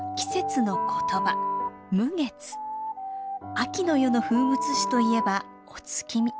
秋の夜の風物詩といえばお月見。